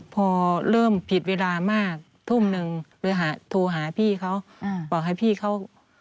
พอเริ่มผิดเวลามากทุ่มหนึ่งเลยโทรหาพี่เขาบอกให้พี่เขา